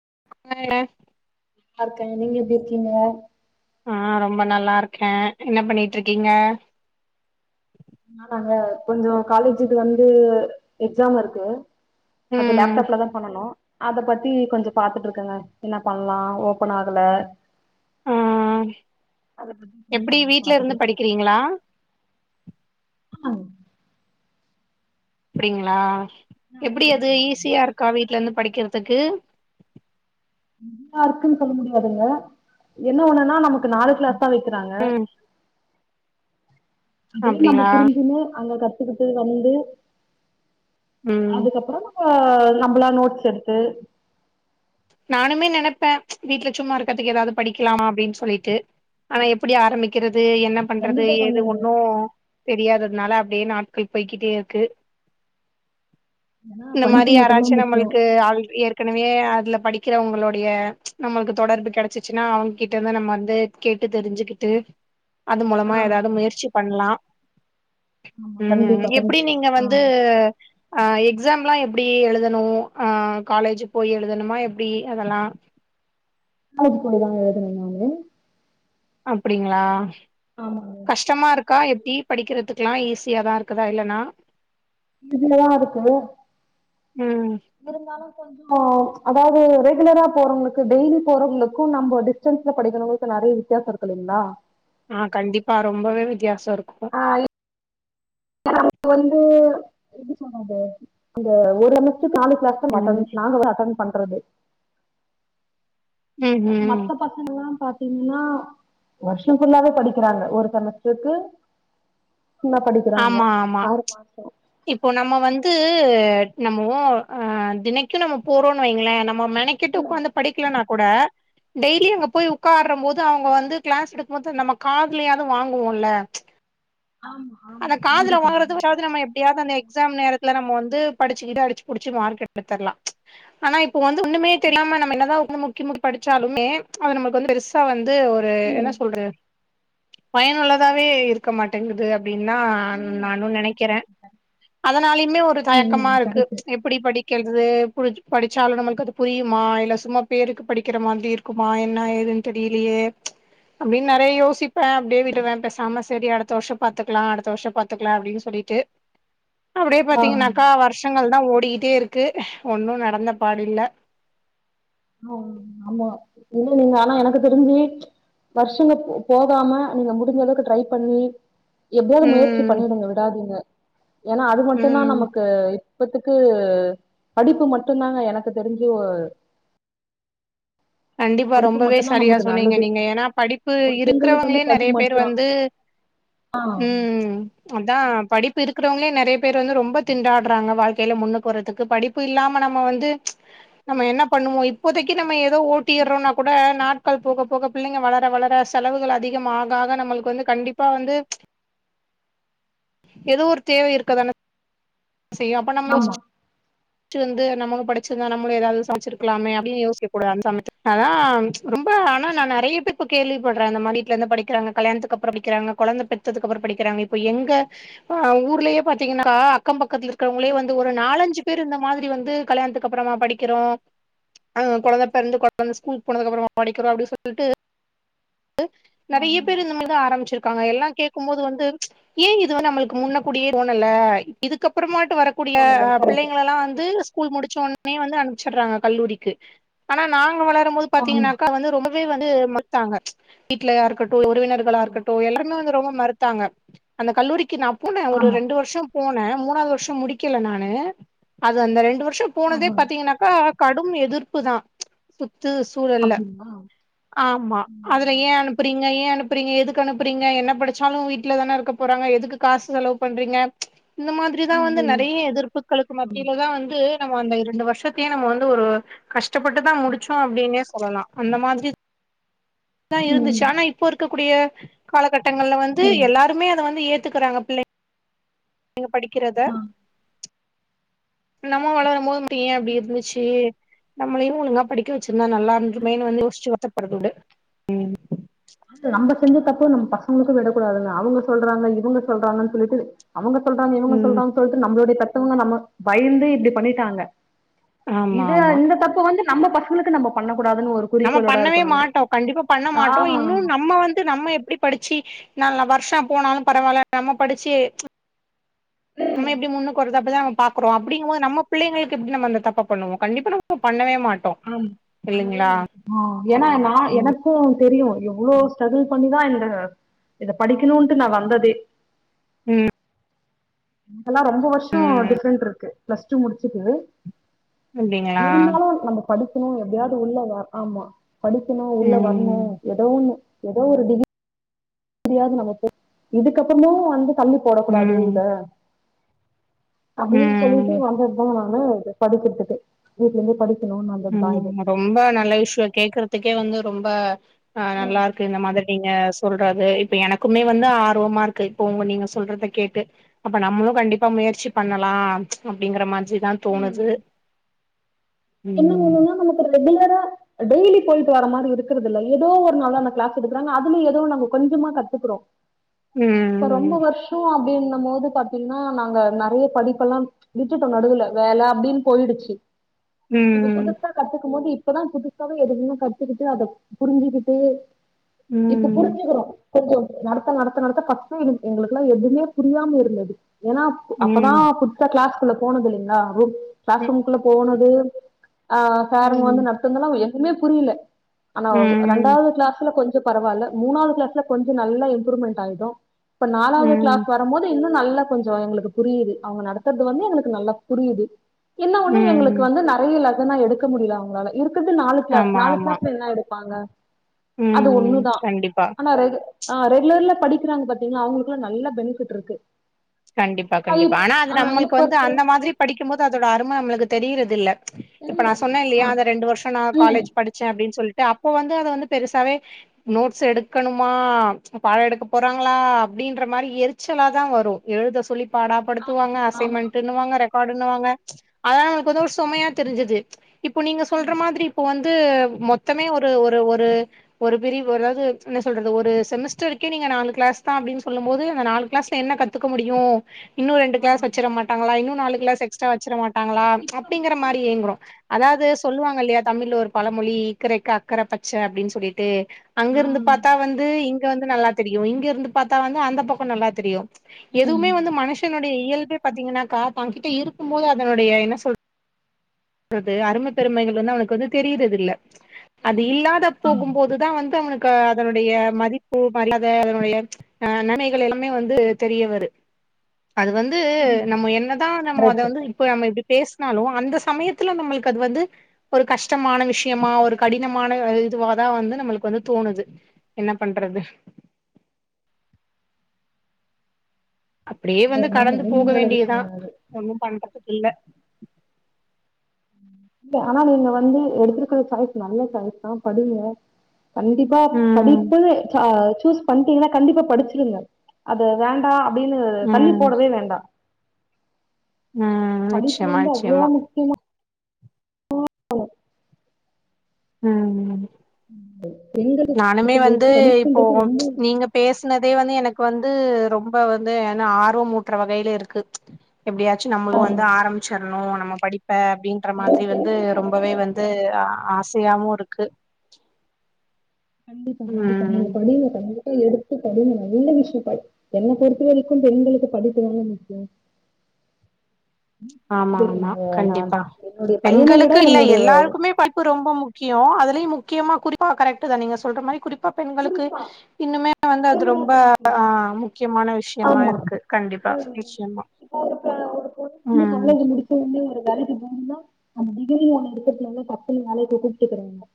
[unintelligible] நல்லா இருக்கே நீங்க எப்டி இருக்கீங்க ஆ ரொம்ப நல்லா இருக்கே என்ன பண்ணிட்ருக்கீங்க நானாங்க கொஞ்சொ காலேஜ் விட்டு வந்து எக்ஸாம் ஒர்க்கு அது ம் லேப்டாப்ல தா பண்ணனு அத பத்தி கொஞ்சொ பாத்துட் இருக்கெங்க என்ன பண்லா ஓபன் ஆகல ஆ அத பத்தி கொஞ்சோ எப்டி வீட்ல பாத்துட்டு இருந்து இருக்கே படிக்கிறீங்களா ஆ அப்பிடிங்களா எப்டி அது நல்லா ஈஸியா இருக்கா வீட்லேந்து படிக் வக்கிறதுக்கு. நல்லா இருக்குன்னு சொல்ல முடியாதுங்க. என்ன ஒண்ணுன்னா நமக்கு நாலு கிளாஸ். பதா வைக்கிறாங்க. ம் அதுவே நம்ம அப்டிங்களா புரிஞ்சுனு அங்க க. ட்டு வந்து. ம் அதுக்கப்புறோ. ஆஹ நம்மளா நோட்ஸ் எடுத்து. நானுமே நெனிப்ப ம்ச் வீட்ல. சும்மா இருக்குறதுக்கு ஏதாவது படிக்கலாமா அப்டின் சொ. சொல்லிட்டு ஆனா. எப்படி ஆரம்பிக்கிறது. என்ன பண்றது கண்டிப்பா ஏது பண்ணுங்க ஒண்ணு. தெரியாததுனால அப்படியே நாட்கள் போய்கிட்டே இருக்கு. ஏன்னா இந்த படிப்பு மாரி மட்டுந்தா யாராச்சு முக்கியோ நம்மளுக்கு ஆள் ஏற். ஏற்கனவே அதுல. படிக்கிறவங்களளுடைய ம்ச் நம்மளுக்கு தொடர்பு கெடச்சிச்சுன்னா அவங்ககிட்ட வந்து நம்ம வந்து கேட்டு தெரிஞ்சுக்கிட்டு. அது மூலமா ஆ ஏதாவது முயற்சி பண்லா. ஆமா உம் கண்டிப்பா எப்படி கண்டிப்பா நீங்க வந்து. ஆ எக்ஸாம்லா எப்படி எழுதணு அஹ காலேஜ் போய் எழுதணுமா எப். எப்படி அதெல்லா. காலேஜ் போய்தா எழுத. [unintelligible] அப்படிங்களா. ஆமாங்க. அக்கா எப்படி படிக்கிறதுக்கெல்லா ஈஸியாதா இருக்குதா இல்லன்னா. இதுலதா இருக்கு. ம் இருந்தாலும் கொஞ்சோ. அதாவது ரெகுலரா போறவங்களுக்கு டெய்லி போறவங்களுக்கும் நம்ம டிஸ்டன்ஸ்ல படிக்குறவங்களுக்கு நெறைய வித்யாசோ இருக்கு இல்லைங்களா. ஆஹ கண்டிப்பா ரொம்பவே வித்தியாஸ். சோ இருக்கு. வந்து எப்டி சொல்றது இந்த ஒரளவு. [unintelligible] மட்டன் ம் நாங்கள்ளா அட்டன். பண்றது. ம் ம் மத்த பசங்க எல்லா பாத். ன்னா வருஷோ புள்ளாவே படிக்கிறாங்க ஒரு செமஸ்டருக்கு. சமா படிக்கிறாங்க. ஆமா ஆமா ஆறு மாசோ. இப்போ நம்ம வந்து நம்மோ தினைக்கு நம்ம போறோம்ன்னு வைங்களே நம். மொ மெனக்கெட்டு உக்காந்து படிக்கலனா. கூட டெய்லி அங்க போய் உட்கார்ற போது அவங்க வந்து கிளாஸ் எடுக்கும் போது நம்ம காதுலயாது வாங்குவோம்ல ஆமா ஆமா அந்த காதுல கண்டிப்பா வாங்கறது வாராது நம்ம எப்படியாது அந்த எக்ஸாம் நேரத்து நம்ம வந்து படிச்சுக்கிட்டு அடிச்சுபுடிச்சு மார்க் எடுத்தரலாம் ஆனா இப்ப வந்து ஒண்ணுமே தெரியாம நம்ம என்னதா முக்கி படிச்சாலுமே நம்மளுக்கு வந்து பெருசா வந்து ஒரு கண்டிப்பா என்ன சொல்ற பயனுள்ளதாவே இருக்க மாட்டங்குது அப்பிடின்னா இல்ல ஆ நானும் நினைக்கிறேன் கரெக்ட் கரெக்ட் அதனாலயுமே ஒரு ம் தயக்கமா இருக்கு கரெக்ட் எப்படி படி கேள்து புடிச் படிச்சாலும் நமளுக்கு அது புரியுமா இல்ல சும்மா பேருக்கு படிக்கிற மாதிரி இருக்குமா என்ன ஏதுன்னு தெரியலையே அப்படின்னு நிறைய யோசிப்பேன் அப்படியே விடுவேன் பேசாம சரி அடுத்த வருஷம் பத்துக்கலாம் அடுத்த வருஷம் பத்துக்கலாம் அப்படின்னு சொல்லிட்டு அப்படியே ஆ பாத்தீங்கன்னாக்கா வருஷங்கள் ஓடிக்கிட்டே இருக்கு ஒன்னும் நடந்த பாடு இல்ல ஆ ஆமா ஏன்ன நீங்க ஆனா எனக்கு தெரிஞ்சு வருஷங்க போகாம நீங்க முடிஞ்ச அளவுக்கு ட்ரை பண்ணி எப்படியாவது முயற்சி ம் பண்ணிடுங்க விடாதீங்க ஏன்னா அது மட்டும் தான் ம் நமக்கு இப்பத்துக்கு படிப்பு மட்டும் தாங்க எனக்கு தெரிஞ்சு கண்டிப்பா படிப்பு ரொம்பவே மட்டும்தா சரியா நமக்கு சொன்னீங்க நல்லது நீங்க ஏன்னா படிப்பு ஒரு பெண்களுக்கு வந்து இருக்கிறவங்களே படிப்பு நிறைய பேர் மட்டு வந்து ஆ ம் அதான் படிப்பு இருக்கிறவங்கள நிறைய பேர் வந்து ரொம்ப திண்டாடுறாங்க வாழ்க்கையில முன்னுக்கு வறதுக்கு படிப்பு இல்லாம நம்ம வந்து நம்ம என்ன பண்ணுவோம் இப்போதைக்கு நம்ம ஏதோ ஓ ட்டிடுறோம்னா கூட நாட்கள் போக போக பிள்ளைங்க வளர வளர செலவுகள் அதிகம் ஆக நம்மளுக்கு வந்து கண்டிப்பா வந்து ஏதோ ஒரு தேவை இருக்குதான செய்யும் அப்ப நம்ம ஆமா யோச்சு வந்து நம்ம படிச்சிருந்தா நம்மளு ஏதாவது சாதிச்சிருக்கலாமே அப்படின்னு யோசிக்க கூடாது அந் சமயதுல அதான் ரொம்ப ஆனா நான் நிறைய பேர் இப்ப கேள்விப்படுறேன் இந்த மாதிர வீட்டுல இருந்து படிக்கிறாங்க கல்யாணத்துக்கு அப்புறம் படிக்கிறாங்க குழந்தை பெத்ததுக்கு அப்புறம் படிக்கிறாங்க இப்ப எங்க ஹா ஊர்லயே பாத்தீங்கன்னா கா கம்ப பக்கதுல இருக்கிறவங்களே வந்து ஒரு நாள் அஞ்சு பேரு இந்த மாதிரி வந்து கல்யாணத்துக்கு அப்புறமா படிக்கிறோம் குழந்தை பெறந்து குழந்த ஸ்கூல் போனதுக்கு அப்புறமா படிக்கிறோம் அப்படின்னு சொல்லிட்டு நிறைய பேரு இந்த மாரி ஆரம்பிச்சிரு க்காங்க எல்லாம் கே்க போது வந்து ஏன் இது வந்து நமளுக்கு முன்ன கூடியே தோணல இதுக்கப்புறமா வரக்கூடிய கரெக்ட் பிள்ளைங்கள எல்லாம் வந்து ஸகூல் முடிச்சோனே வந்து அனுப்பிச்சிடுறாங்க கல்லூரிக்கு ஆனா நாங்க வள போது ஆமா பாத்தீங்காக்கா வந்து ரொம்ப வந்து முடித்தாங்க வீட்டுல யாருக்கிட் உறவினர்களாக ஆமா இருக்கட்டும் எல்லாமே வந்து ரொம்ப மறுத்தாங்க அந்த கல்லூரிக்கு நாப் போனே ஒரு ஆமா ரெண்டு வருஷம் போன் மூணாவது வருஷம் முடிக்கல நானு அது அந்த ரெண்டு வரு ஷம் ஆ போனதே ஆ. பாத்தீங்கன்னாக்கா கடும் எதிர்ப்பு தான் து சூழல்ல அப்படிங்களா ஆமா அதுல ம் ஏன் அனுப்புறீங்க ஏன் அனுப்பு ப்றீங்க எதுக்கு அனுப்புறீங்க என்ன படிச்சாலும் வீட்டுலதானே இருக்க போறாங்க எதுக்கு காசு செலவு பண்றீங்க இந்த மாதிரிதான் ம் வந்து நறைய எதிர்ப்புக்களுக்கு ம் ஆமா. மத்தியில தான் வந்து நம்ம அந்த இரண்டு வருஷத்தையும் நம்ம வந்து ஒரு கஷ்டப்பட்டுதான் முடிச்சோம் அப்படின்னே சொல்லலாம் அந்த மாதிரி த்தான் இருந்துச்சு ம் ஆனா இப்போ இருக்கப் கூடிய காலகட் டங்கல வந்து சொல்லுங்க எல்லாருமே அத வந்து ஏத் எத்துக்குறாங்க பிள்ளை நீங்க படிக்கிறத நம்ம வளரும் போது ஏன் அப்படி இருந்துச்சு நம்மளையும் ஒழுங்கா படிக் நிக்கவச்சிருந்தா நல்லா ஆ இருந்து இருக்குமே வந்து யோச்சு ஒருத்தர் வர துண்டு உம் ஒ நம்ம பசங்களுக்கும் விடக்கூடாதுங்க அவங்க சொல்றாங்க இவங்க சொல்றாங்கன்னு சொல்லிட்டு அவங்க சொல்றாங்க இவங்க ம் சொல்றாங்க சொல்ட்டு நம்மளுடை தப் வுங்க நம்ம வயந்து இப்படி பண்ணிட்டாங்க ஆமா இது ஆமா இந்த பக்கம் வந்து நம்ம பசங்களுக்கு நம் பண்ணப் நம்ம பண்ணவே மாட்டோம் கண்டிப்பா பண்ண ஆ மாட்டோம் இன்னோன் நம்ம வந்து நம்ம எப்படி படிச்சு ந வருஷம் போனாலும் பரவாயில நம்ம படிச்சு நம்ம எப்படி முன்னுக்கு வரதப் பாக்றோம் அப்படிங்கும் போது நம்ம பிள்ளைகளுக்கு எப்படி நம்ம தப்ப பண்ணுவோம் கண்டிப்ப பண்ணவே மாட்டோ ஆம் பண்ணவே இல்லைங்களா மாட்டோம் ஆஹ ஏன்னா நான் எனக்கும் தெரியும் எவ்வுளோ ஸ்ட்ரகிள் பண்ணிதான் என்னுடைய இத படிக்கணும்ட்டு நான் வந்ததே ம் அல்லாம் ரொம்ப வருஷம் டிஃப்ரெண்ட் இருக்கு பிளஸ் டூ முடிச்சுட்டு அப்பிடிங்களா படிக்கணும் எப்படியாவது உள்ள வ ஆமா படிக்கணும் உள்ள வரணும் ம் எதோ ஒன்னு எதோ ஒரு டிகி முடியாது நமக்கு இதுக்கப்புறமும் வந்து தள்ளி போட கூடாது ம் இத அப்பிடின்னு சொல்லிட்டு ம் வந்ததுதான் நானு படிக்கறதுக்கு வீட்டுல இருந்தே படிக்க ம் ரொம்ப நல்ல விஷயம் கேக்குறதுக்கே வந்து ஒரு ரொம்ப ஆஹ் நல்லா இருக்கு இந்த மாதிரி நீங்க சொல்றது இப்ப எனக்குமே வந்து ஆர்வமா இருக்கு இப்ப உங்க நீங்க சொல்றத கேட்டு அப்ப நம்மளும் கண்டிப்பா முயற்சி பண்ணலாம் அப்படிங்கற மாரி வச்சுதான் தோணுது ம் என்ன வேணும்னா நமக்கு ரெகுலரா டெய்லி போயிட்டு வர மாதிரி இருக்கறதில்ல ஏதோ ஒரு நாள் அந்த கிளாஸ் எடுக்கறாங்க அதுலய ஏதோ நாங்க கொஞ்சமா கத்துக்கறோம் இப்ப ரொம்ப ம் வருஷம் அப்பிடின்னா இருக்குபோது பாத்தீங்கன்னா நாங்க நிறைய படிப்பெல்லாம் விட்டுட்டோம் நடுவுல வேலை அப்படின்னு போயிடுச்சு இப்ப ம் புதுசா கத்துக்கும் போது இப் இப்போதான் புதுசாவே எதுமே கத்துக்கிட்டு அதை புரிஞ்சிக்கிட்டு ம் இப்ப ம் புரிஞ்சுக்கிறோம் கொஞ்சம் நடத்த நடத்த நடத்த பஸ்ட் எங்களுக்குெல்லாம் எதுவுமே புரியாம இருந்தது ஏன்னா ம். அப்பதான் புதுசா கிளாஸ் ரூம்குல்ல போனது இல்லிங்களா அப்டி ம். கிலாஸ்ரூமுக்குள்ள போனது ஆஹ் சாருங்க வந்து நடத்துங்கல்லா உயில் எதுவுமே புரியல ஆனா ம். ரெண்டாவது கிளாஸ்ல கொஞ்சம் பரவாயில்ல மூணாவது கிளாஸ்ல கொஞ்ச நல்லா இம்ப்ரூமெண்ட் ஆயிடும் இப்ப நாலாவது ம். கிளாஸ் வர போது இன்னும் நல்லா கொஞ்சம் எங்களுக்கு புரியுது அவங்க நடத்துறது வந்து எங்களுக்கு நல்லா புரியுது என்ன ஒண்ணு எங்களுக்கு ம். வந்து நட த்துன லெசன எடுக்க முடியல அவங்களால இருக் எடுத்தது நாலு கிளாஸ் ஆமா நாலு ஆமா கிளாஸ்ல என்ன எடுப்பாங்க அது ம் ஒண்ணுதா கண்டிப்பா ஆனா ரெகு ஆஹ் ரெகுலர்ல படிக்கிறாங்க பாத்தீங்கன்னா அவங்களுக்கெல்லாம் நல்ல பெனிஃபிட் இருக்கு கண்டிப்பா ஆ கண்டிப்பா இப் ஆனா அது ஆ நம்மளுக்கு இப்ப வந்து இருக்கிற அந்த மாதிரி படிக்கும் போது அதோட அரும நம்மளுக்கு தெரியிறதில்ல இப்ப நான் தெரியறதில்ல ஆ சொன்னேன்ல்லையா அந்த ரெண்டு வருஷம் நான் ம் காலேஜ் படிச்சேன் அப்படின்னு சொல்லிட்டு அப்போ வந்து அதை வந்து பெருசாவே நோட்ஸ் எடுக்கணுமா பாடம் எடுக்க போறாங்களா அப்படின்ற மாதிரி எரிச்சலா தான் வரும் எழுத சொல்லி ஆமா பாடாப்படுத்துவாங்க ஆமா அசைன்மெண்ட்டுன்னுவாங்க ரெக் காடுன்னுவாங்க அதல்லா நமக்கு வந்து ஒரு சொமையா தெரிஞ்சது இப்போ நீங்க சொல்ற மாதிரி இப்போ வந் து மொத்தமே ஒரு ஒரு ஒரு ஒரு பிரி ஒரது என்ன சொல்றது ஒரு செமஸ்டருக்கே நீங்க நாலு க்ளாஸ் தா அப்டின் சொல்லும் போது அந்த க்ளாஸ்ல என்ன கத் த்துக்க முடியு இன்னு ரெண்டு க்ளாஸ் வச்சுற மாட்டாங்களா இன்னு நாலு க்ளாஸ் எக்ஸ்டரா வச்சுற மாட் டாங்களா அப்டிங்குற மாரி ஏங்குறோ அதாது சொல்லுவாங்கல்லயா தமிழ்ல ஒரு பழமொழி இக்கரைக்கு அக்கர பச்ச அப்டின் சொல்லிட்டு அங்கருந்து பாத்தா வந்து இங் ங்க வந்து நல்லா தெரியு இங்கெருந்து பாத்தா வந்து அந்த பக்கொ நல்லா தெரியு எதுவ்மே வந்து மனுஷனுடைய இயல்பே பாத்தீங்கன்னாக்கா தாங்கிட்ட இருக்கும் போது அதனுடைய என்ன சொல் றது அரும பெருமைகள் வந்து அவனுக்கு வந்து தெரியிறதில்ல அது தெரியு இல்லாத போகும்போதுதா வந்து அவனுக் க்கு அதனுடைய மதிப்பு மரியாத அதனுடைய அ நனைகள் எல்லாமே வந்து தெரியவரு அது வந்து தெரியு நம்ம என்னதா நம்ம அத கரெக்ட் வந்து கரெக்ட். இப்போ நம்ம இப்டி பேசுனாலு அந்த சமயத் த்துல நம்மள்க்கு அது வந்து ஒரு கஷ்டமான விஷ்யமா ஒரு கடினமான இதுவாதா வந்து நம்மளுக்கு வந்து தோணுது என்ன பண்றது அப்புடியே வந்து ஆமா கடந்து போக உண்மையான வேண்டியதா விஷயோ ஒண்ணும் பண்றது இல்ல இ ஆனா நீங்க வந்து எடுத்துருக்குற சாய்ஸ் நல்ல சாய்ஸ் தா படிங்க கண்டிப்பா ம் படிப்பது ச சூஸ் பண்டீங்கனா கண்டிப்பா படிச்சுருங்க அத வேண்டா அப்டினு தள்ளி ம் போடவே வேண்டா ம் படிப்பு நிச்சயமா வந்து அவ்ளோ நிச்சயமா முக்யமா [unintelligible] உம் பெண்களுக்கு நானுமே பொறுத்த வரைக்கு வந்து இப்போ படிப்புன்றது ரொம்ப நீங்க பேசுனதே வந்து எனக் கு வந்து ரொம்ப வந்து என்ன ஆர்வமூட்ற வகைல இருக்கு எப்டியாச்சு நம்மளு ஆ, வந்து ஆரம்மிச்சிர்ணு நம்ம நா படிப்பே அப்டின்ற அவங்க மாதிரி வந்து பெண்களுக்கு ரொம்பவே அதுதான் வந்து ஆ சயாவு இருக்கு கண்டிப்பா கண்டிப்பா நீங்க ம் படிங்க கண்டி எடுத்து படி இந்த விஷயோ என்ன பொறுத்த வரைக்கு பெண்களுக்கு படிப்புதான முக்கியோ. ஆமா ஆமா கண்டிப்பா என்னுடைய பையனை விட பெண்களுக்கு இல்ல என்னுடைய எல்லாருக்குமே பழடிப்பு ரொம்ப முக்கியோ அது. முக்கியமா குறிப்பா கரெ்ட்தா நீங்க சொல்ற மாரி குறிப். நா பெண்களுக்கு குறிப்பா இன்னுமே. வந்து அது ரொம்ப பெண்களுக்கு முக்கியம் ஆஹ முக்கியமான விஷயமா ஆமா இருக்கு கண்டிப்பா ம் நிச்சயமா. இப்போ ஒரு ப [unintelligible] ம் ஒரு வேலைக்கு போகணும்னா அந்த டிகிரி ஒன்னு. [unintelligible]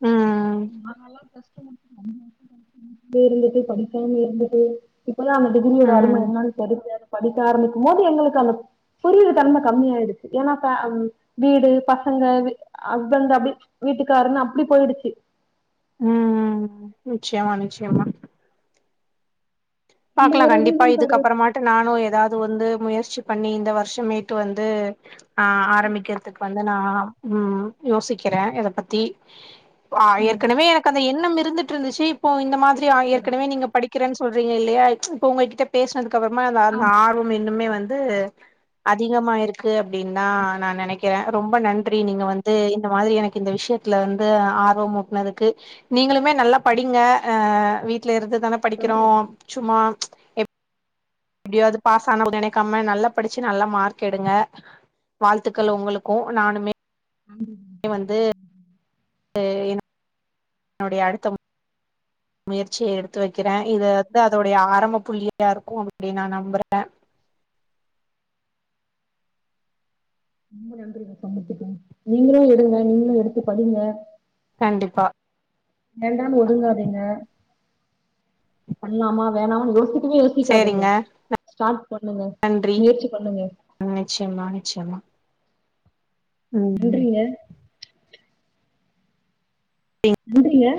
[unintelligible] ம் பே இருந்துட்டு படிக்காம இருந்துட்டு. இப்பதா அந்த டிகிரியோட அரும ம் என்னன்னு. [unintelligible] படிக்க ஆரம்பிக்கும் போது எங்களுக்கு அந்த புரியு தன்ம கம்மியாடுச்சு ஏன்னா வீடு பசங்க ஹஸ்பண்ட் அப்படி வீட்டுக்காருன்னு அப்படி போயிடுச்சு. உஹம் நிச்சயமா நிச்சயமா. இந்த பாக்கலா ஒரு கண்டிப்பா ரீசன் காக இதுக்கப்புறமாட்டு நானு ஏதாவது. அது வந்து முயற்சி பண்ணி இந்த வருஷமேட்டு வந்து. ஆஹ்ஆரம்பிக்கிறதுக்கு வந்து. நா உஹம் யோசிக்குற இத பத்தி. ஆஹ ம் ம் ஏற்கனவே எனக்கு அந்த என். ம் இருந்துட்டு இருந்துச்சு இப்போ இந்த மாதிரி. சரி ஏற்கனவே நீங்க படிக். கிறன் சொல்றீங்க இ. இல்லியா. ம்ச் இப்ப உங்ககிட்ட பேசுனது. கப்புறமாதா அந்த ஆர்வமே. இனிமே வந்து அதிகமா இருக்கு அப்படின்னா நா நெனைக்குற ரொம்ப நன்றி நீங்க வந்து இந்த மாதிரி எனக்கு இந்த விஷயத்துல வந்து ஆர்வம் மூட்டனதுக்கு. நீங்களுமே நல்லா படிங்க அஹ வீட். ல இருந்து தான படிக்கிறோ. சொல்றீங்க ஆ ம்ச் இப். எப்படியாவது பாஸ் ஆன போது நெனைக்காம நல்லா படிச்சு நல்ல மார்க் எடுங்க. வாழ்த்துக்கள் உங்களுக்கு நானுமே. உம். நீ வந்து. து. [unintelligible] என்னுடைய அடுத்தம். முயற்சிய எடுத்து வைக்கிற இது வந்து அதோடைய ஆரம்ப புள்ளியா இருக்கு அப்படி நா நம்புற. [unintelligible] நீங்களு எடுத்து படிங்க. கண்டிப்பா வேண்டான் ஒதுங்காதீங்க. பண்ணலாமா வேணாமனு யோசி. மே யோசிக்காதுங்க சேரிங்க ஸ்டார்ட் பண்ணுங்க நன்றி முயற்சி பண்ணுங்க. நிச்சயமா நிச்சயமா ம் ம் நன்றிங்க நன்றீங்க